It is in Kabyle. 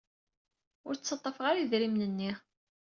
Ur ttaḍḍafeɣ ara idrimen-nni.